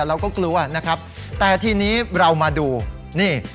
เราก็กลัวนะครับแต่ทีนี้เรามาดูนี่